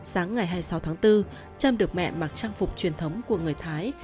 sáng ngày hai mươi sáu tháng bốn trâm được mẹ mặc trang phục truyền thống của người thái